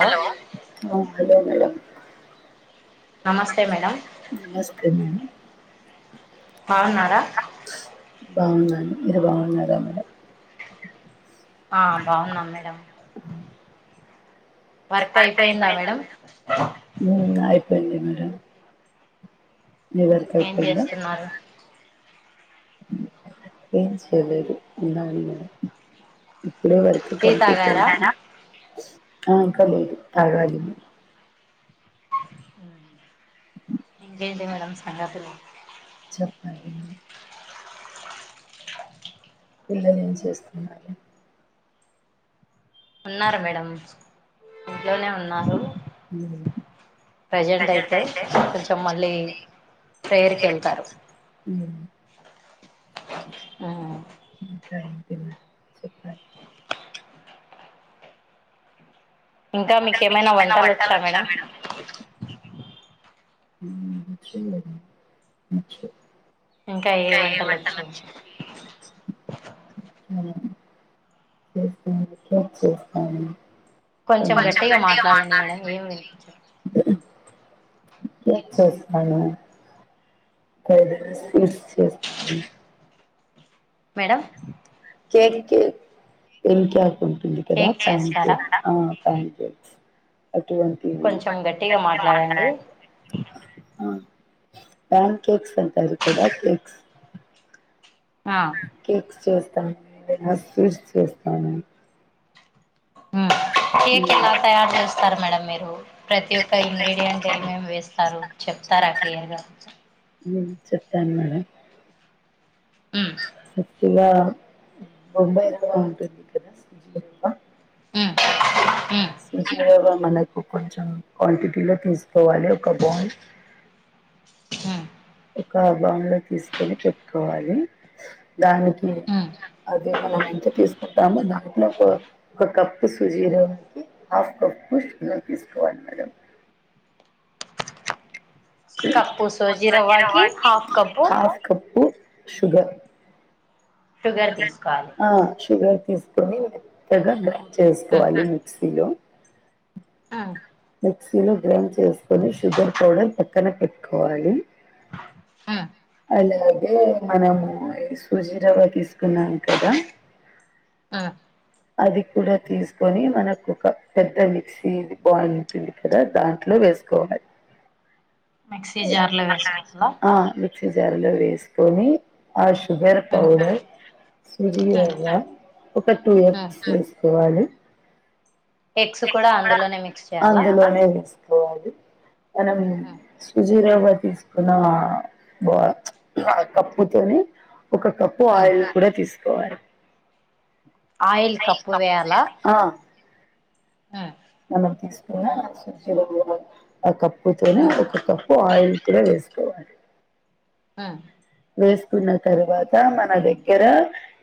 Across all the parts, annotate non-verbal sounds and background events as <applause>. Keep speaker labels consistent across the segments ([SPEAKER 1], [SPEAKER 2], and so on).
[SPEAKER 1] Hello
[SPEAKER 2] నమస్తే madam.
[SPEAKER 1] నమస్తే madam.
[SPEAKER 2] బావున్నారా?
[SPEAKER 1] బాగున్నా అండి, మీరు బాగున్నారా మేడం?
[SPEAKER 2] ఆ బాగున్నాం మేడం. వర్క్ అయిపోయిందా మేడం
[SPEAKER 1] ఉమ్ అయిపోయింది మేడం. మీ వర్క్
[SPEAKER 2] ఏం
[SPEAKER 1] అయిపోయిందా?
[SPEAKER 2] చేస్తున్నారు
[SPEAKER 1] ఏం చేయలేదు అంతా ఇప్పడ వరకు
[SPEAKER 2] టీ
[SPEAKER 1] కంప్లీట్,
[SPEAKER 2] తాగారా
[SPEAKER 1] ఆ ఇంకా లేదు తాగాలి.
[SPEAKER 2] ఇంకా ఏంటి మేడం సంగతులు.
[SPEAKER 1] చెప్పాలి మీరు. పిల్లలు ఏం చేస్తున్నారు?
[SPEAKER 2] ఉన్నారు మేడం, ఇంట్లోనే ఉన్నారు.
[SPEAKER 1] హ్మ్
[SPEAKER 2] ప్రజెంట్ అయితే కొంచెం మళ్ళీ ప్రేయరుకెళ్తారు.
[SPEAKER 1] ఉమ్
[SPEAKER 2] ఆ
[SPEAKER 1] ఇంకా ఏంటి చెప్పాలి.
[SPEAKER 2] ఇంకా మీకేమైనా వంటలు వచ్చా మేడం?
[SPEAKER 1] ఉమ్ వచ్చండి వచ్చు. ఇంకా ఏం వంటలు అచ్చు? <unintelligible> చేస్తాను. కొంచం గట్టిగా మాట్లాడండి మేడం ఏమి ఎగ్ ఫ్రై చేస్తాను. కో <unintelligible> ఫ్రూట్స్ చేస్తాను.
[SPEAKER 2] మేడం?
[SPEAKER 1] కేక్ కే అరిటాకుంటుంది కదా,
[SPEAKER 2] కేక్ చేస్తారా
[SPEAKER 1] ఆ థ్యాక్యూట్స్ అటువంటి
[SPEAKER 2] కొంచెం గట్టిగా మాట్లాడండి
[SPEAKER 1] ఆ ప్యాన్ కేక్స్ అంటారు కదా కేక్స్ కేక్స్ చేస్తాను స్వీట్స్ చేస్తాను
[SPEAKER 2] ఆ కేక్
[SPEAKER 1] ఉమ్,
[SPEAKER 2] ఎలా తయారు చేస్తారు మేడం మీరు ప్రతి ఒక్క ఇంగ్రీడియంట్ ఏమేమి వేస్తారు చెప్ తార క్లియర్ గా
[SPEAKER 1] మ్ చెప్తాను మేడం కొద్దిగా బొంబాయ్ రవ్వ ఉంటుంది కదా సుజీ రవ్వ సుజీ రవ్వ మనకు కొంచెం క్వాంటిటీలో తీసుకోవాలి ఒక బౌల్ ఒక బౌల్లో తీసుకొని పెట్టుకోవాలి దానికి అదే మనం ఎంత తీసుకుంటామో దాంట్లో ఒక ఒక కప్పు సుజీరవ్వకి హాఫ్ కప్పు తీసుకోవాలి మేడం
[SPEAKER 2] కప్పు సోజీ రవ్వకి half cup
[SPEAKER 1] half cup sugar
[SPEAKER 2] sugar తీసుకోవాలి
[SPEAKER 1] ఆ షుగర్ తీసుకొని మెత్తగా గ్రైండ్ చేసుకోవాలి మిక్సీలో
[SPEAKER 2] ఆ
[SPEAKER 1] మిక్సీలో గ్రైండ్ చేసుకొని షుగర్ పౌడర్ పక్కన పెట్టుకోవాలి అలాగే మనము సుజి రవ్వ తీసుకున్నాం కదా అది కూడా తీసుకొని మనకు ఒక పెద్ద మిక్సీ ఇది <unintelligible> ఉంది కదా దాంట్లో వేసుకోవాలి
[SPEAKER 2] మిక్సీ జార్లో వేసుకోవాలా
[SPEAKER 1] ఆ మిక్సీ జార్ లో వేసుకొని ఆ షు షుగర్ పౌడర్ సుజీరవ్వ ఒక టూ ఎగ్స్ తీసుకోవాలి
[SPEAKER 2] ఎగ్స్ కూడా అందులోనే మిక్స్ చేయాలా
[SPEAKER 1] అందులోనే వేసుకోవాలి మనం సు జీరవ్వ తీసుకున్న ఆ బా ఆ కప్పుతోనే ఒక కప్పు ఆయిల్ కూడా తీసుకోవాలి
[SPEAKER 2] ఆయిల్ కప్పు వేయలా
[SPEAKER 1] ఆ
[SPEAKER 2] ఆ
[SPEAKER 1] మనం తీసుకున్న సుజీరవ్వ ఆ క ప్పుతోనే ఒక కప్పు ఆయిల్ కూడా వేసుకోవాలి
[SPEAKER 2] అ
[SPEAKER 1] వేసుకున్న తర్వాత మన దగ్గర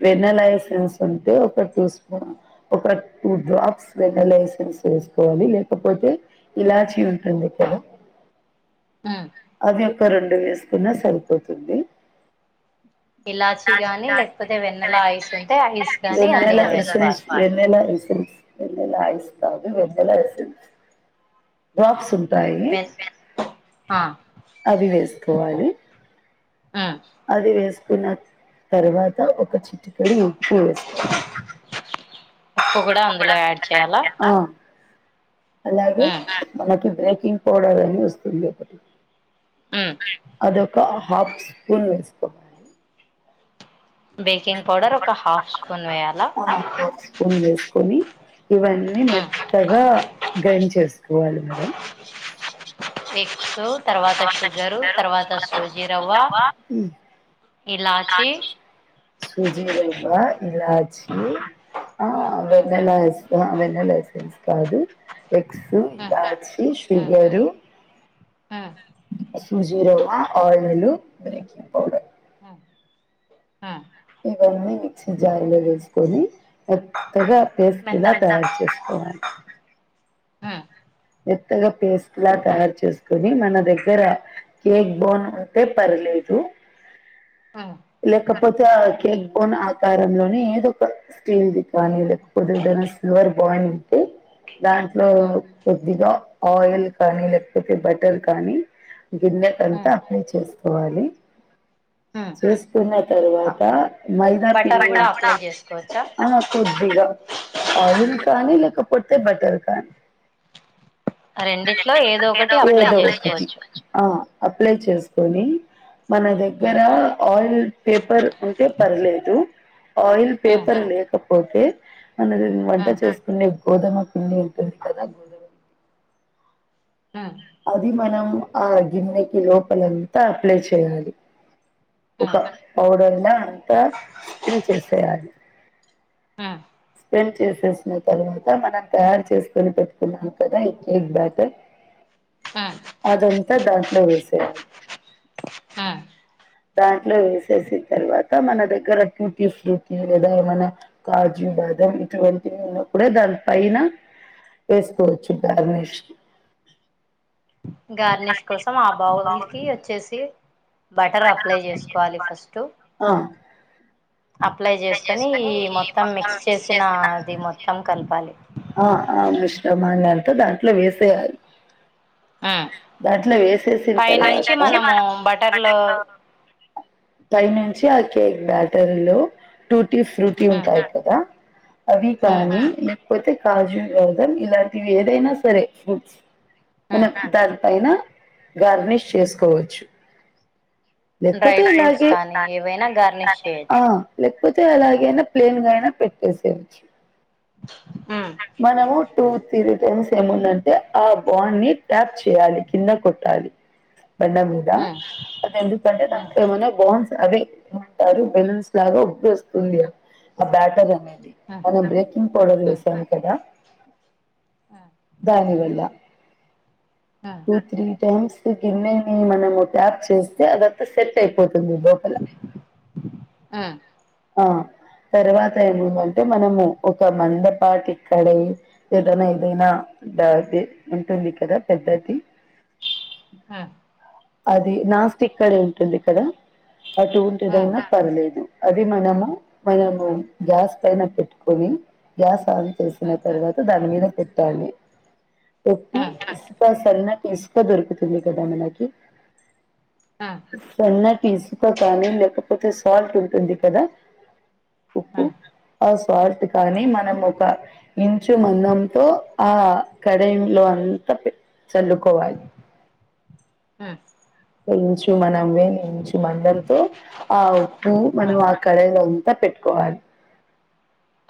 [SPEAKER 1] వెన్నలయెసెన్స్ ఉంటే ఒక టు స్పూన్ ఒక టూ డ్రాప్స్ వెన్నలయెసెన్స్ వేసుకోవాలి లేకపోతే ఇలాచి ఉంటుంది <unintelligible> అవి ఒక రెండు వేసుకున్నా సరిపోతుంది
[SPEAKER 2] ఇలాచి గాని లేకపోతే వెన్నెల ఐస్ ఉంటే ఐస్ గాని అందులో
[SPEAKER 1] వెన్నలయెసెన్స్
[SPEAKER 2] వేసుకోవాలి
[SPEAKER 1] వెన్నలయెసెన్స్ వెెన్నెల ఐస్ కాదు వెన్నలయెసెన్స్ బాక్స్ <unintelligible>
[SPEAKER 2] <unintelligible> ఆ
[SPEAKER 1] అది వేసుకోవాలి
[SPEAKER 2] ఉమ్
[SPEAKER 1] అది వేస్ కున్న తర్వాత ఒక చిటికెడు ఉప్పు వేసుకోవాలి
[SPEAKER 2] ఉప్పు కూడా అందులో యాడ్ చేయాలా
[SPEAKER 1] ఆ అలాగే
[SPEAKER 2] ఉమ్
[SPEAKER 1] మనకి బ్రేకింగ్ పౌడర్ అని వస్తుంది
[SPEAKER 2] ఉమ్
[SPEAKER 1] అదొక హాఫ్ స్పూన్ వేసుకో
[SPEAKER 2] బేకింగ్ పౌడర్ ఒక హాఫ్ స్పూన్ వేయాలా
[SPEAKER 1] ఆ హాఫ్ స్పూన్ వేసుకొని ఇవన్నీ
[SPEAKER 2] ఉమ్
[SPEAKER 1] మెత్తగా గ్రైండ్ చేసుకోవాలి మేడం
[SPEAKER 2] ఎగ్స్ తర్వాత షుగరు తర్వాత సూజీరవ్వ ఇలాచి
[SPEAKER 1] సూజీ రవ్వ, ఇలాచి, ఆ
[SPEAKER 2] ఉమ్
[SPEAKER 1] వెన్నెలయెస్ ఆ వెన్నలయెసెన్స్ కాదు ఎగ్స్
[SPEAKER 2] ఉమ్
[SPEAKER 1] ఇలాచి
[SPEAKER 2] ఉమ్
[SPEAKER 1] షుగరు
[SPEAKER 2] ఉమ్
[SPEAKER 1] సూజీ రవ్వ, ఆయిల్, ఎగ్ పౌడర్
[SPEAKER 2] ఉమ్ ఉమ్
[SPEAKER 1] ఇవన్నీ మిక్సీ జార్లో వేసుకొని మెత్తగా పేస్ట్ లా
[SPEAKER 2] మెత్తం
[SPEAKER 1] తయారు చేసుకోవాలి
[SPEAKER 2] ఉమ్
[SPEAKER 1] మెత్తగా పేస్ట్ లా తయారు చేసుకుని మన దగ్గర కేక్ బోన్ ఉంటే పర్లేదు
[SPEAKER 2] ఆ
[SPEAKER 1] లేకపోతే ఆ కేక్ బోన్ ఆకారంలోనే ఏదో ఒక స్టీల్ది కానీ లేకపోతే ఏదైనా సిల్వర్ బాయ ఉంటే దాంట్లో
[SPEAKER 2] ఉమ్
[SPEAKER 1] కొద్దిగా ఆయిల్ కానీ లేకపోతే బటర్ కానీ గిన్నెటంతా
[SPEAKER 2] ఉమ్
[SPEAKER 1] అప్లై చేసుకోవాలి
[SPEAKER 2] ఉమ్
[SPEAKER 1] చూసుకున్న తర్వాత మైదా
[SPEAKER 2] బటర్
[SPEAKER 1] పిండి
[SPEAKER 2] కూడా అప్లై చేసుకోవచ్చా
[SPEAKER 1] ఆ కొద్దిగా ఆయిల్ కానీ లేకపోతే బట్టర్ కానీ రెండిటిలో ఏదో ఒకటి అప్లై చేసుకోవచ్చు అప్లై చేసుకొని మన దగ్గర ఆయిల్ పేపర్ ఉంటే పర్లేదు ఆయిల్ పేపర్ లేకపోతే మనది వంట చేసుకునే గోదమ్మ పిండి వెళ్తది కదా
[SPEAKER 2] ఆ
[SPEAKER 1] అది మనం ఆ గిన్నెకి లోపలంతా అప్లై చేయాలి ఒక పౌడర్ లా అంతా స్ప్రీ చేసేయాలి స్ప్రెడ్ చేసేసిన తర్వాత మనం తయారు చేసుకొని పెట్టుకున్నాం కదా ఈ కేక్ బ్యాటర్ అదంతా దాంట్లో వేసేయాలి
[SPEAKER 2] హా
[SPEAKER 1] దాంట్లో వేసేసిన తర్వాత మన దగ్గర టూటీ ఫ్రూటీ లేదా ఏమన్నా కాజు దం ఇటువంటివి ఉన్నపుడే దాని పైన వేసుకోవచ్చు గార్నిష్
[SPEAKER 2] గార్నిష్ కోసం ఆ బావుల్ కి వచ్చేసి బటర్ అప్లై చేసుకోవాలి ఫస్ట్
[SPEAKER 1] ఆ
[SPEAKER 2] అప్లై చేసుకొని ఈ మొత్తం మిక్స్ చేసిన అది మొత్తం కలపాలి
[SPEAKER 1] ఆ ఆమిశ్రమాలంతా దాంట్లో వేసేయాలి దాంట్లో వేసేసిన తర్వాత
[SPEAKER 2] పైనుంచి మనము బటర్లో
[SPEAKER 1] పై నుంచి ఆ కేక్ బ్యాటరీ లో టూటీ ఫ్రూటీ ఉంటాయి కదా అవి కానీ లేకపోతే కాజు బాదం ఇలాంటివి ఏదైనా సరే ఫ్రూట్స్
[SPEAKER 2] హుమ్
[SPEAKER 1] పైన గార్నిష్ చేసుకోవచ్చు
[SPEAKER 2] డ్రై
[SPEAKER 1] లేకపోతే
[SPEAKER 2] ఫ్రూట్స్
[SPEAKER 1] ఇలాగే
[SPEAKER 2] కానీ ఏవైనా గార్నిష్
[SPEAKER 1] ఆ
[SPEAKER 2] చేయొచ్చు
[SPEAKER 1] లేక్ కపోతే అలాగైనా
[SPEAKER 2] ఉమ్
[SPEAKER 1] ప్లేన్గాయినా పెట్టేసేవచ్చు మనము టూ త్రీ టైమ్స్ ఏముందంటే ఆ బాండ్ ని ట్యాప్ చేయాలి కింద కొట్టాలి
[SPEAKER 2] అ
[SPEAKER 1] బెండ మీద అదే ఎందుకంటే దా
[SPEAKER 2] ఉమ్
[SPEAKER 1] <inaudible> బా బన్స్ అవే ఏమంటారు బెలూన్స్ లాగా ఉబ్బ వస్తుంది కదా ఆ బ్యాటరీ అనేది
[SPEAKER 2] ఉమ్
[SPEAKER 1] అదే బ్రేకింగ్ పౌడర్ వేసాను కదా దాని గుండా
[SPEAKER 2] ఉమ్
[SPEAKER 1] టూ, త్రీ టైమ్స్ గిన్నె మనము ట్యాప్ చేస్తే అదంతా సెట్ అయిపో తుంది లోపల
[SPEAKER 2] ఉమ్
[SPEAKER 1] ఆ తరువాత ఏముందంటే మనము ఒక మందపాటి ఇక్కడే ఏదైనా ఏదైనా జాబ్ చేసుకుంటు ఉంటుంది కదా పెద్దది
[SPEAKER 2] ఆ
[SPEAKER 1] అది నాస్టిక్ కడే ఉంటుంది ఇక్కడ అటు
[SPEAKER 2] ఆ
[SPEAKER 1] ఉంటిదైనా పర్లేదు అది మనము
[SPEAKER 2] ఆ
[SPEAKER 1] మనము గ్యాస్ పైన పెట్టుకొని గ్యాస్ చేసిన
[SPEAKER 2] ఆ
[SPEAKER 1] తర్వాత దాని మీద పెట్టాలి పెట్టి
[SPEAKER 2] ఆ
[SPEAKER 1] <inaudible> ఇసుక దొరుకుతుంది కదా మనకి
[SPEAKER 2] ఆ
[SPEAKER 1] సన్నటి ఇసుక కానీ లేకపోతే సాల్ట్ ఉంటుంది కదా
[SPEAKER 2] ఆ
[SPEAKER 1] ఉప్పు ఆ స్వార్థ
[SPEAKER 2] ఆ
[SPEAKER 1] కానీ మనం ఒక ఇంచు మందంతో ఆ కడాయన్ లో అంతా చల్లుకోవాలి
[SPEAKER 2] మ్మ్
[SPEAKER 1] వేయించు మన వేలించు మందం తో ఆ ఉప్పు మనం ఆ కడాయిలో పెట్టుకోవాలి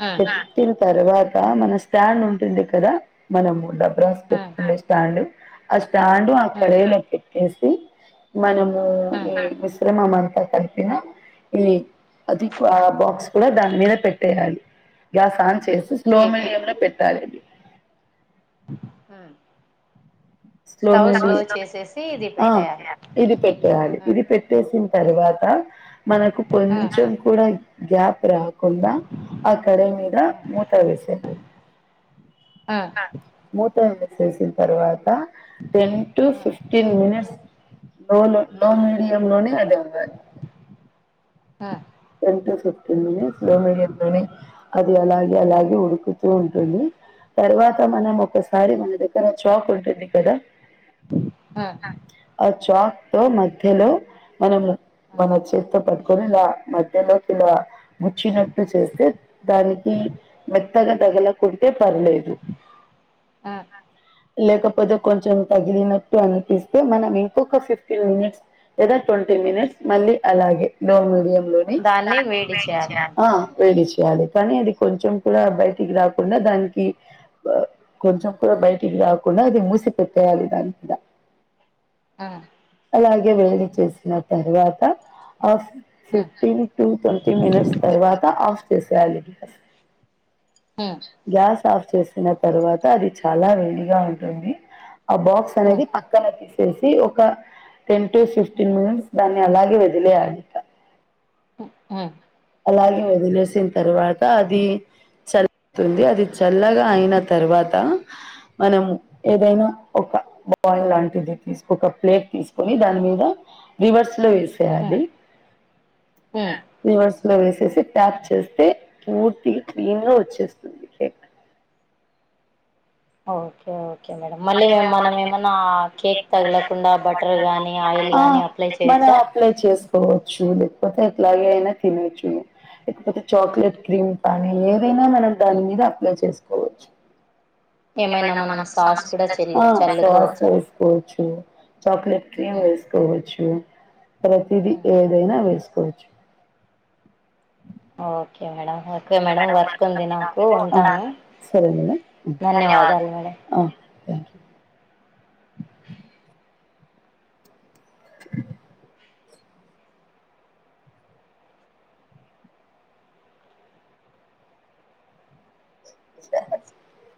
[SPEAKER 2] ఆ
[SPEAKER 1] పెట్టిన తర్వాత మన స్టాండ్ ఉంటుంది కదా మనము డబ్బు రైస్
[SPEAKER 2] ఆ ఆ
[SPEAKER 1] పెట్టుకునే స్టాండ్ ఆ స్టాండ్ ఆ కడాయి లో పెట్టేసి మనం మ్మ్
[SPEAKER 2] ఆ
[SPEAKER 1] ఈ మిశ్రమణం కలిపిన ఇ అది ఆ బాక్స్ కూడా దాని మీద పెట్టేయాలి గ్యాస్ ఆన్ చేసి స్లో
[SPEAKER 2] కేక్
[SPEAKER 1] మీడియం లో పెట్టాలి
[SPEAKER 2] ఆ
[SPEAKER 1] స్లో మీడియం
[SPEAKER 2] పెట్టేయాలి
[SPEAKER 1] ఇది పెట్టేయాలి
[SPEAKER 2] ఆ
[SPEAKER 1] ఇది పెట్టేసి తర్వాత మనకు
[SPEAKER 2] ఆ
[SPEAKER 1] కొంచెం కూడా గ్యాప్ రా కుండ ఆ కడాయి మీద
[SPEAKER 2] ఆ
[SPEAKER 1] మూత వేసేయాలి
[SPEAKER 2] ఆ
[SPEAKER 1] మూత వేసేసిన తరువా త టెన్ టు
[SPEAKER 2] ఆ
[SPEAKER 1] ఫిఫ్టీన్ మినిట్స్ లో లో లో మీడియం లోనే అదే ఉడుకుతాది
[SPEAKER 2] ఆ
[SPEAKER 1] టెన్ టూ ఫిఫ్టీన్ మినిట్స్ లో లో నీ అది అలా ఇది అలాగే ఉడుకుతూ ఉంటుంది తర్వాత మనం ఒకసారి మన దగ్గర చాక్ ఉంటుంది కదా
[SPEAKER 2] ఆ
[SPEAKER 1] ఆ చాక్ తో మధ్యలో మనం మన చేత్తో పట్ కొని <unintelligible> <inaudible> ముచ్చినట్టు చేస్తే దానికి మెత్తగా తగలకుంటే ప లేదు
[SPEAKER 2] ఆ
[SPEAKER 1] లేకపోతే కొంచెం తగిలినట్టు అనిపిస్తే మనం ఇంకొక ఫిఫ్టీన్ మినిట్స్ లేద టోటి మినిట్స్ మళ్ళీ అలాగే లో మీడియం లోని
[SPEAKER 2] దాన్ని వేడి చేయాలి మళ్ళీ
[SPEAKER 1] ఆ వేడి చేయాలి కానీ అది కొంచెం కూడా బయటికి రాకుండా దానికి కొంచెం కూడా బయటికి రాకుండా అది మూసి పెట్టేయాలే దానిమీద
[SPEAKER 2] ఆ
[SPEAKER 1] లాగే వేడి చేసిన తర్వాత ఆఫ్
[SPEAKER 2] ఆ
[SPEAKER 1] ఫిఫ్టీన్ తో ట్వంటీ మినిట్స్ తరువాత ఆఫ్ చేయాలి
[SPEAKER 2] ఆ
[SPEAKER 1] గ్యాస్ ఆఫ్ చేసిన తరువాత అది చాలా వేడిగా ఉంటుంది ఆ బాక్స్
[SPEAKER 2] ఆ
[SPEAKER 1] అనేది పక్కన తీసేసి ఒక టెన్ ఫిఫ్టీన్ మినిట్స్ దాన్ని అలాగే వదిలేయాలి
[SPEAKER 2] ఉహు
[SPEAKER 1] అలాగే వదిలేసిన తర్వాత అది సరిపోతుంది అది చల్లగా అయిన తర్వాత మనం ఏదైనా ఒక బాయిల్ లాంటిది తీసుకోని ఒక ప్లేట్ తీసుకొని దాని మీద రివర్స్ రివర్సు లో వేసేయాలి
[SPEAKER 2] ఆ
[SPEAKER 1] రివర్స్ లో వేసేసి ట్యాప్ చేస్తే పూర్తిగా క్లీన్ గా వచ్చేస్తుంది
[SPEAKER 2] train sound okay okay madam మళ్ళీ మేము మనం ఏమనా కేక్ తగలకుండా బటర్ గానీ ఆయిల్ కానీ అప్లై చే
[SPEAKER 1] ఇట్లా అప్లై చేసుకోవచ్చు లేపోతే ఎట్లాగేనా చేయొచ్చు లేకపోతే చాక్లెట్ క్రీమ్ కానీ ఏవైనా మనం దాని మీద అప్లై చేసుకోవచ్చు
[SPEAKER 2] ఏమైనా
[SPEAKER 1] ఏవైనా మనం
[SPEAKER 2] సాస్
[SPEAKER 1] సాసులు
[SPEAKER 2] కూడా చెల్లు
[SPEAKER 1] అప్లై చేసుకోవచ్చా సాస్
[SPEAKER 2] చల్లుకోవచ్చా
[SPEAKER 1] వేసుకోవచ్చు చాక్లేట్ క్రీమ్
[SPEAKER 2] ఉమ్,
[SPEAKER 1] వేసుకోవచ్చు ప్రతిదీ
[SPEAKER 2] ఉమ్.
[SPEAKER 1] ఏదైనా వేసుకోవచ్చు
[SPEAKER 2] okay madam okay madam work ఉంది నాకు ఉంటాను
[SPEAKER 1] సరే మేడం ధన్యవాదాలు ఓ థాంక్యూ ఆ సరే